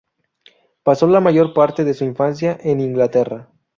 Pasó la mayor parte de su infancia en Inglaterra.